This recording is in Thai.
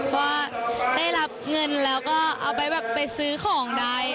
ว่าได้รับเงินแล้วก็เอาไปไปซื้อของได้